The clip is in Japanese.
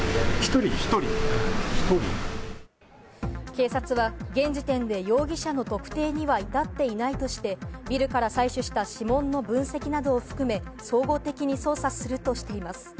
警察は現時点で容疑者の特定には至っていないとしてビルから採取した指紋の分析などを含め、総合的に捜査するとしています。